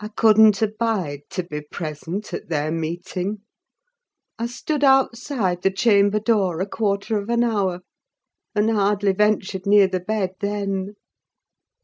I couldn't abide to be present at their meeting. I stood outside the chamber door a quarter of an hour, and hardly ventured near the bed, then.